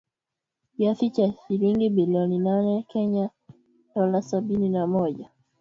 Kiasi cha shilingi bilioni nane za Kenya Dola Sabini na moja